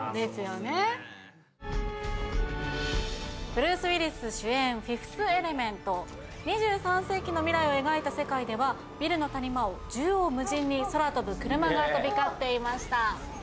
ブルース・ウィリス主演『フィフス・エレメント』２３世紀の未来を描いた世界ではビルの谷間を縦横無尽に空飛ぶ車が飛び交っていました。